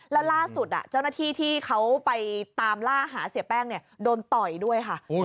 แล้วล่าสุดเจ้าหน้าที่ที่เขาไปตามล่าหาเสียแป้งโดนต่อยด้วยค่ะ